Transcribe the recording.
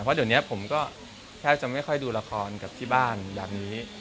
เพราะเดี๋ยวนี้ผมก็แทบจะไม่ค่อยดูละครกับที่บ้านแบบนี้